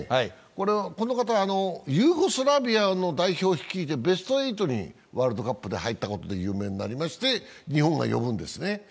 この方はユーゴスラビアの代表を率いてベスト８にワールドカップで入ったことで有名になりまして、日本が呼ぶんですね。